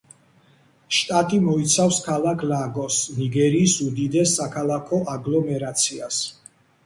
შტატი მოიცავს ქალაქ ლაგოსს, ნიგერიის უდიდეს საქალაქო აგლომერაციას.